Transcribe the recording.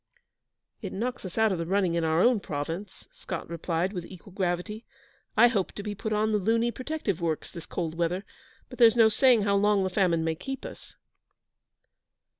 'It knocks us out of the running in our own Province,' Scott replied, with equal gravity. 'I hoped to be put on the Luni Protective Works this cold weather; but there's no saying how long the famine may keep us.'